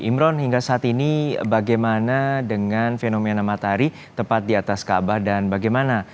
imron hingga saat ini bagaimana dengan fenomena matahari tepat di atas kaabah dan bagaimana